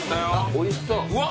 おいしそう。